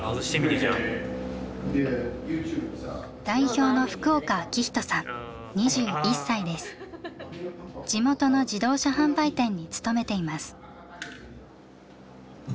代表の地元の自動車販売店に勤めています。